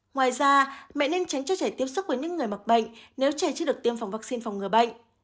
ngoài ra mẹ nên tránh cho trẻ tiếp xúc với những người mắc bệnh nếu trẻ chưa được tiêm phòng vaccine phòng ngừa bệnh